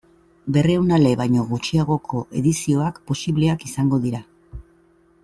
Berrehun ale baino gutxiagoko edizioak posibleak izango dira.